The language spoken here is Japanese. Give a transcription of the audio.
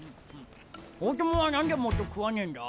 大友は何でもっと食わねえんだ？